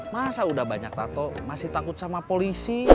masa udah banyak tato masih takut sama polisi